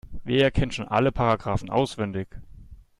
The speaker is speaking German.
Wer kennt schon alle Paragraphen auswendig?